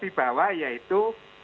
di bawah yaitu